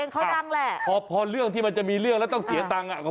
เพราะเรื่องที่มันจะมีเรื่องแล้วต้องเสียตังค์อะ